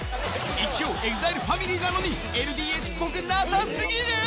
一応ＥＸＩＬＥファミリーなのに、ＬＤＨぽくなさすぎる？